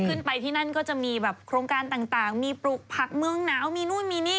ขึ้นไปที่นั่นก็จะมีแบบโครงการต่างมีปลูกผักเมืองหนาวมีนู่นมีนี่